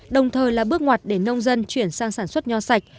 đồng thời là bước ngoặt để nông dân chuyển sang sản xuất nho sạch